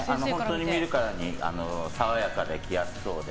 本当に見るからに爽やかで着やすそうで。